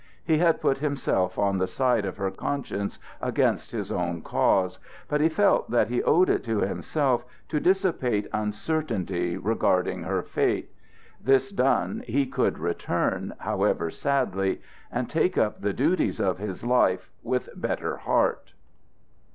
He had put himself on the side of her conscience against his own cause; but he felt that he owed it to himself to dissipate uncertainty regarding her fate. This done, he could return, however sadly, and take up the duties of his life with better heart.